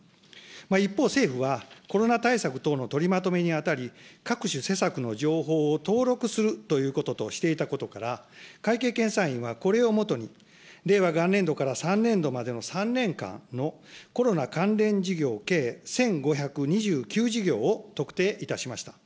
一方、政府はコロナ対策等の取りまとめにあたり、各種施策の情報を登録するということとしていたことから、会計検査院はこれをもとに、令和元年度から３年度までの３年間のコロナ関連事業計１５０９事業を特定いたしました。